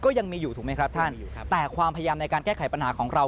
ก็ยังมีอยู่ถูกไหมครับท่านแต่ความพยายามในการแก้ไขปัญหาของเรา